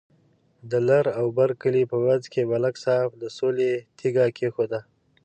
د لر او بر کلي په منځ کې ملک صاحب د سولې تیگه کېښوده.